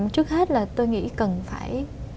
trước hết là tôi nghĩ cần phải